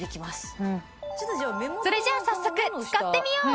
それじゃあ早速使ってみよう！